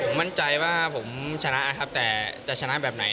ผมมั่นใจว่าผมชนะครับแต่จะชนะแบบไหน